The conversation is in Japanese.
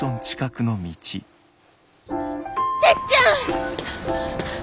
てっちゃん！